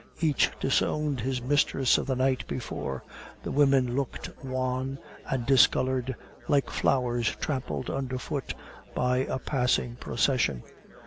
Each disowned his mistress of the night before; the women looked wan and discolored, like flowers trampled under foot by a passing procession.